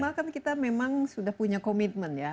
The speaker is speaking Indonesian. padahal kan kita memang sudah punya komitmen ya